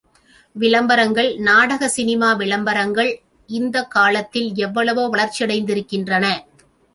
விளம்பரங்கள் நாடக சினிமா விளம்பரங்கள் இந்தக் காலத்தில் எவ்வளவோ வளர்ச்சியடைந்திருக்கின்றன.